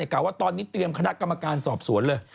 กล่าวว่าตอนนี้เตรียมคณะกรรมการสอบสวนเลย